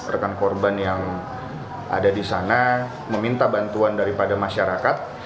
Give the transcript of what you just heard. rekan korban yang ada di sana meminta bantuan daripada masyarakat